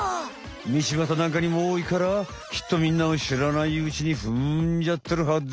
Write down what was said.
みちばたなんかにもおおいからきっとみんなもしらないうちにふんじゃってるはず。